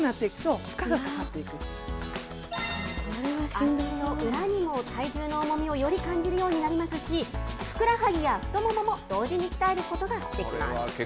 足の裏にも体重の重みをより感じるようになりますし、ふくらはぎや太ももも同時に鍛えることができます。